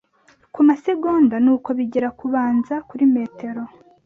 Kumasegonda nuko bigera kubanza kuri metero